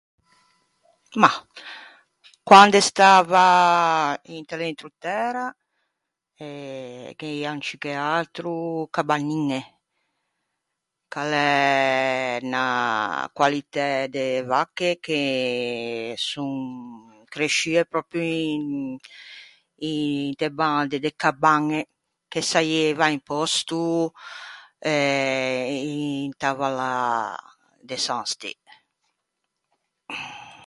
Mah, quande stava inte l’Entrotæra e gh’eian ciù che atro cabanniñe, ch’a l’é unna qualitæ de vacche che son cresciue pròpio in in de bande, de Cabañe, che saieiva un pòsto eh inta vallâ de San Stê.